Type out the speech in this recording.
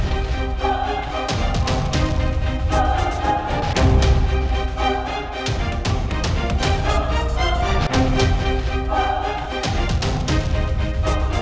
iya sudah d testing